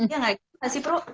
ya nggak gitu sih pro